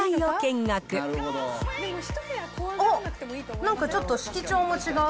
おっ、なんかちょっと色調も違う。